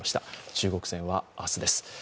中国戦は明日です。